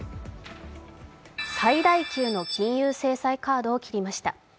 最大級の金融制裁カードを切りました。